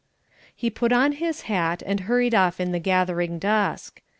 He put on his hat, and hurried off in the gathering dusk.